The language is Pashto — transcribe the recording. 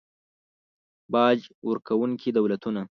باج ورکونکي دولتونه